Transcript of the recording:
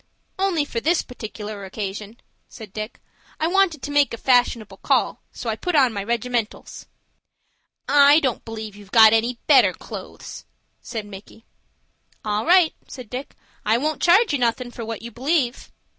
"Only for this partic'lar occasion," said Dick. "I wanted to make a fashionable call, so I put on my regimentals." "I don't b'lieve you've got any better clo'es," said Micky. "All right," said Dick, "I won't charge you nothin' for what you believe."